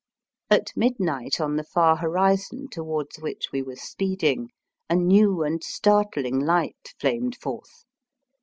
At midnight on the far horizon towards which we were speeding a new and startling light flamed forth.